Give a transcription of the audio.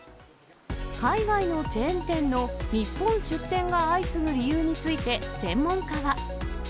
海外のチェーン店の日本出店が相次ぐ理由について、専門家は。